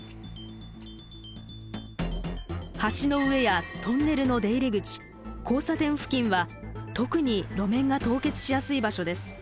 橋の上やトンネルの出入り口交差点付近は特に路面が凍結しやすい場所です。